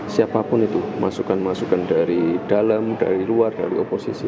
siapapun itu masukan masukan dari dalam dari luar dari oposisi